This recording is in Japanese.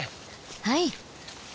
はい。